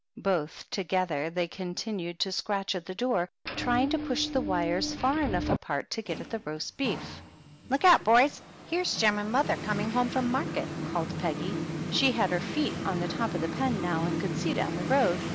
Both together they continued to scratch at the door, trying to push the wires far enough apart to get at the roast beef. "Look out, boys! here's Jem and mother coming home from market !" called Peggy. She had her feet on the top of the pen now, and could see down the road.